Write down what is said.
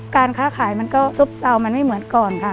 การค้าขายมันก็ซบเซามันไม่เหมือนก่อนค่ะ